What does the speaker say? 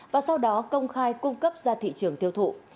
và sau đó công khai cung cấp ra thị trường tiêu thụ